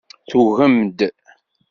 Tugem-d.